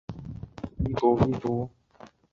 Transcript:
西北省